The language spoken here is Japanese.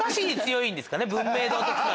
文明堂とか。